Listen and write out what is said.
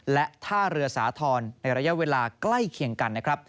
และท่าเรือสาทรในระยะเวลาใกล้เคียงกัน